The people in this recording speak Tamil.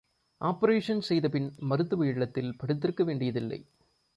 ஆப்பரேஷன் செய்தபின் மருத்துவ இல்லத்தில் படுத்திருக்க வேண்டியதில்லை.